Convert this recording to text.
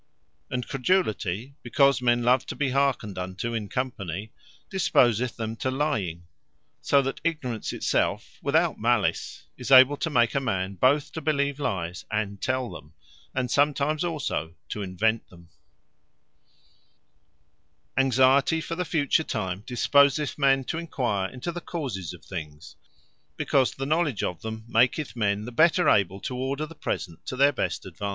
And Credulity, because men love to be hearkened unto in company, disposeth them to lying: so that Ignorance it selfe without Malice, is able to make a man bothe to believe lyes, and tell them; and sometimes also to invent them. Curiosity To Know, From Care Of Future Time Anxiety for the future time, disposeth men to enquire into the causes of things: because the knowledge of them, maketh men the better able to order the present to their best advantage.